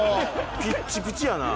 ピッチピチやな。